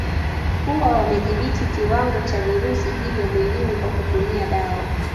Huwa wamedhibiti kiwango cha virusi hivyo mwilini kwa kutumia dawa